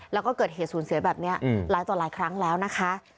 แล้วก็เกิดเหตุสูญเสียแบบนี้หลายต่อหลายครั้งแล้วนะคะ